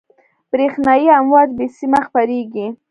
برېښنایي امواج بې سیمه خپرېږي.